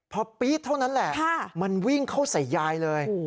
พอปี๊ดเท่านั้นแหละมันวิ่งเข้าใส่ยายเลย